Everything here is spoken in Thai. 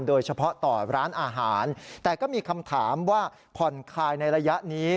โดยเฉพาะต่อร้านอาหารแต่ก็มีคำถามว่าผ่อนคลายในระยะนี้